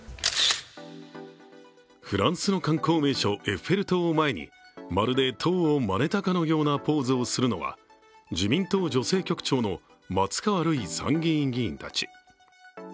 フランスの観光名所・エッフェル塔を前にまるで塔をまねたかのようなポーズをするのは自民党女性局長の松川るい参議院議員たち。